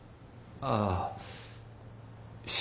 ああ。